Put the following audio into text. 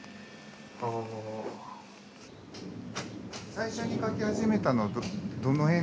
最初に描き始めたのはどの辺？